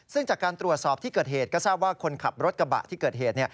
ซึ่งจากการตรวจสอบที่เกิดเหตุก็ทราบว่าคนขับรถกระบะที่เกิดเหตุ